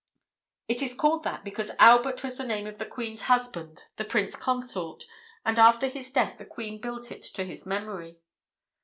"It is called that because Albert was the name of the Queen's husband, the Prince Consort, and after his death the Queen built it to his memory.